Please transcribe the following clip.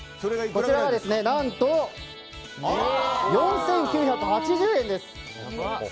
こちらが何と、４９８０円です。